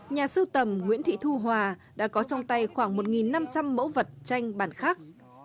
nhà sưu tầm nguyễn thị thu hòa đã có trong tay khoảng một năm trăm linh mẫu vật tranh bản khác